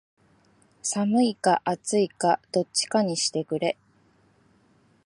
寒いか暑いかどっちかにしてくれ